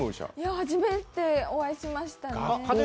初めてお会いしましたね。